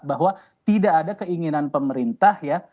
bahwa tidak ada keinginan pemerintah ya